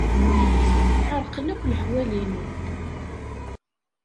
Ɛerqen akk leḥwal-inu.